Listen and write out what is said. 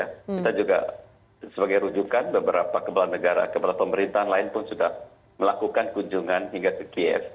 kita juga sebagai rujukan beberapa kepala negara kepala pemerintahan lain pun sudah melakukan kunjungan hingga ke kiev